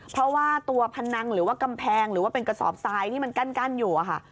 เพราะว่าตัวพนังหรือว่ากำแพงหรือว่าเป็นกระสอบทรายที่มันกั้นอยู่อะค่ะ